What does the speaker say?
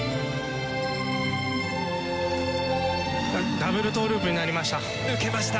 ダブルトーループになりました。